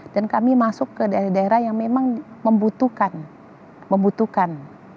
dan kami masuk ke daerah daerah yang memang membutuhkan